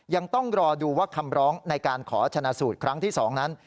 ยังต้องรอดูว่าคำร้องในการขอชนะสูตรครั้งที่๒นั้น